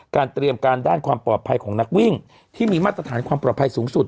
เตรียมการด้านความปลอดภัยของนักวิ่งที่มีมาตรฐานความปลอดภัยสูงสุด